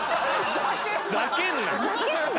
「ざけんな」